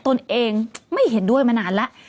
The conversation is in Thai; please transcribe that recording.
ตนเองไม่เห็นด้วยมานานแล้ว